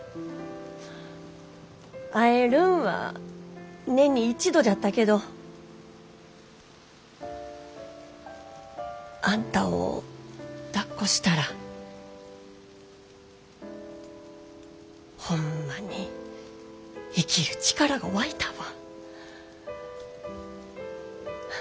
会えるんは年に一度じゃったけどあんたをだっこしたらホンマに生きる力が湧いたわ。